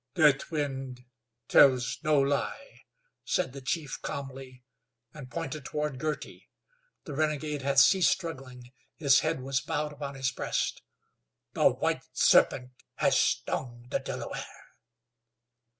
"Deathwind tells no lie," said the chief, calmly, and pointed toward Girty. The renegade had ceased struggling, his head was bowed upon his breast. "The white serpent has stung the Delaware."